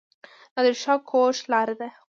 نادر شاه کوټ لاره ده؟